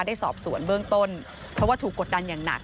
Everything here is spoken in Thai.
ได้สอบสวนเบื้องต้นเพราะว่าถูกกดดันอย่างหนัก